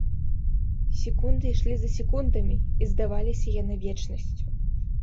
Секунды ішлі за секундамі і здаваліся яны вечнасцю.